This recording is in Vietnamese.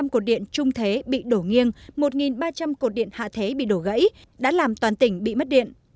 một chín trăm linh cột điện trung thế bị đổ nghiêng một ba trăm linh cột điện hạ thế bị đổ gãy đã làm toàn tỉnh bị mất điện